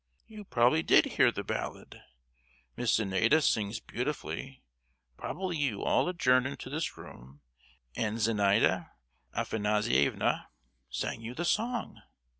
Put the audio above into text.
You probably did hear the ballad. Miss Zenaida sings beautifully; probably you all adjourned into this room and Zenaida Afanassievna sang you the song.